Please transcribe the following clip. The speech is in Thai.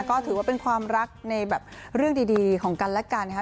ก็ถือว่าเป็นความรักในแบบเรื่องดีของกันและกันนะคะ